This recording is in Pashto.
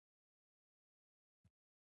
مېلې د خلکو د فکري پراخوالي سبب کېږي.